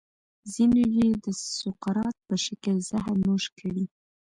ځینو یې د سقراط په شکل زهر نوش کړي.